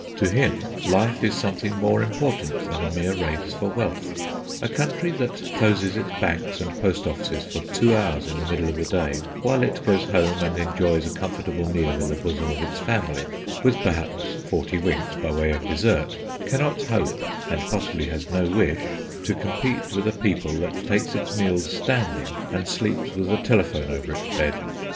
To him life is something more important than a mere race for wealth. A country that closes its banks and post offices for two hours in the middle of the day, while it goes home and enjoys a comfortable meal in the bosom of its family, with, perhaps, forty winks by way of dessert, cannot hope, and possibly has no wish, to compete with a people that takes its meals standing, and sleeps with a telephone over its bed.